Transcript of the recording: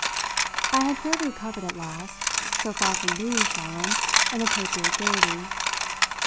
I had fairly recovered at last so far from being solemn an appropriate gaiety.